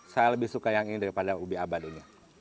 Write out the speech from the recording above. saya lebih suka yang ini daripada ubi abal ini